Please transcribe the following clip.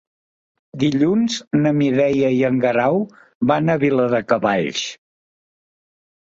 Dilluns na Mireia i en Guerau van a Viladecavalls.